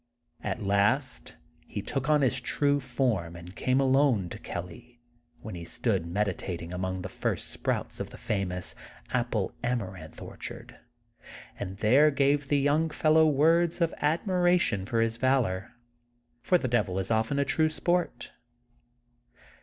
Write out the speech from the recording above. At last he took on his true form and came alone to Kelly when he stood meditating among the first sprouts of the famous Apple Amaranth Orchard, and there gave the young fellow words of admiration for his valor. For the Devil is often a true sport.